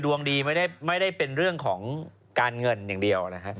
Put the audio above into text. ดวงดีไม่ได้เป็นเรื่องของการเงินอย่างเดียวนะครับ